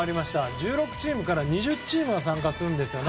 １６チームから２０チームが参加するんですよね。